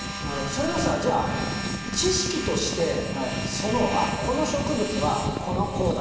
それはさじゃあ知識としてこの植物はこうだああだ